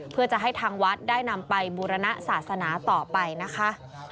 เพื่อจะให้ทางวัดได้นำไปบูรณศาสนาต่อไปนะคะ